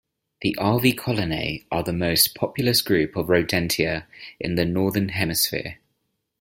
The Arvicolinae are the most populous group of Rodentia in the Northern Hemisphere.